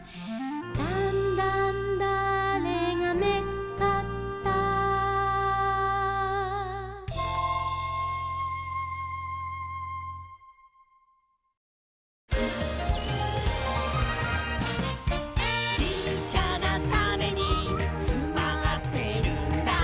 「だんだんだあれがめっかった」「ちっちゃなタネにつまってるんだ」